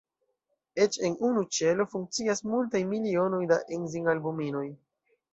Eĉ en unu ĉelo funkcias multaj milionoj da enzim-albuminoj.